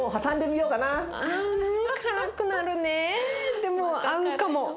でも合うかも。